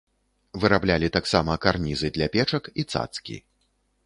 Выраблялі таксама карнізы для печак і цацкі.